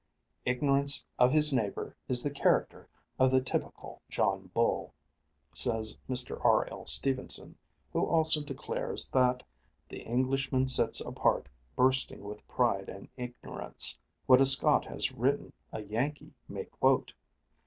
"Ignorance of his neighbor is the character of the typical John Bull," says Mr. R. L. Stevenson, who also declares that "the Englishman sits apart bursting with pride and ignorance." What a Scot has written a Yankee may quote.